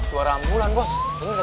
oh suara ambulan bos denger gak